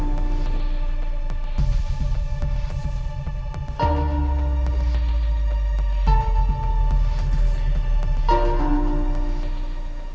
terima kasih pak